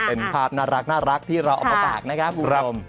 เป็นภาพน่ารักที่เราเอามาฝากนะครับคุณผู้ชม